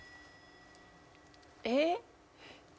えっ？